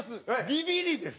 ビビリです！